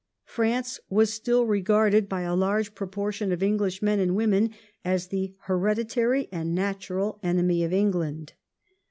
France was still regarded by a large proportion of English men and women as the hereditary and natural enemy of England.